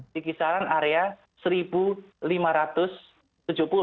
di kisaran area rp satu lima ratus tujuh puluh